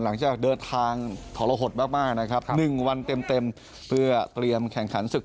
หลังจากเดินทางทรหดมากนะครับ๑วันเต็มเพื่อเตรียมแข่งขันศึก